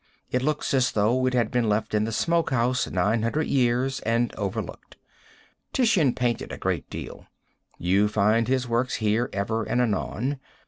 It looks as though it had been left in the smoke house 900 years and overlooked. Titian painted a great deal. You find his works here ever and anon.